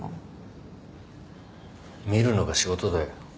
見るのが仕事だよ。